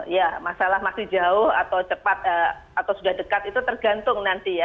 ya masalah masih jauh atau cepat atau sudah dekat itu tergantung nanti ya